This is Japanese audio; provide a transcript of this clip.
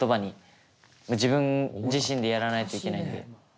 自分自身でやらないといけないんで。